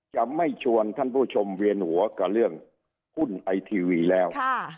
จะไม่ชวนท่านผู้ชมเวียนหัวกับเรื่องหุ้นไอทีวีแล้ว